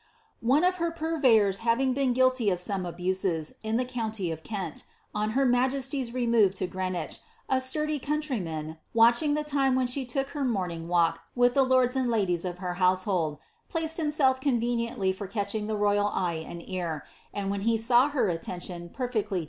One of her purveyors having been guilty of some abuses, in the county of Kent, on her majesty's remove to Greenwich, a sturdy coun tryman, watching the time when she took her morning walk with the lords and ladies of her household, placed himself conveniently for catch ing the royal eye and ear, and when he saw her attention perfectly dis 'Tliey were both of the Boleyn blood.